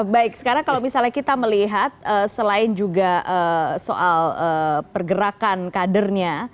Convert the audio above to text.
baik sekarang kalau misalnya kita melihat selain juga soal pergerakan kadernya